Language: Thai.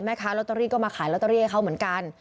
ค้าลอตเตอรี่ก็มาขายลอตเตอรี่ให้เขาเหมือนกัน